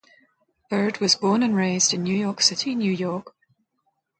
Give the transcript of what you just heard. Byrd was born and raised in New York City, New York.